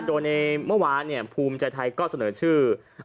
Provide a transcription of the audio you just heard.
โดยในเมื่อวานภูมิใจไทยก็เสนอชื่อ